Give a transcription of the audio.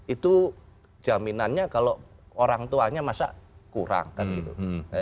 itu jaminannya kalau orang tuanya masa kurang kan gitu